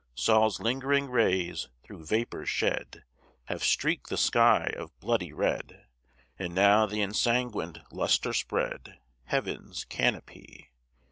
Sol's lingering rays, through vapors shed, Have streak'd the sky of bloody red, And now the ensanguined lustre spread Heaven's canopy.